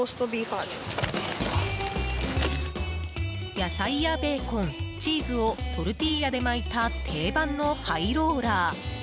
野菜やベーコン、チーズをトルティーヤで巻いた定番のハイローラー。